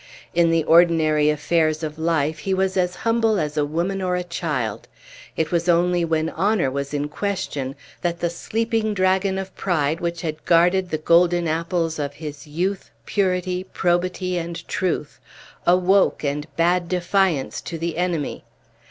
In the ordinary affairs of life he was as humble as a woman or a child; it was only when Honor was in question that the sleeping dragon of pride which had guarded the golden apples of his youth, purity, probity, and truth, awoke and bade defiance to the enemy.